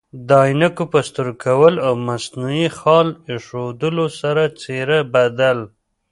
د عینکو په سترګو کول او مصنوعي خال ایښودلو سره څیره بدل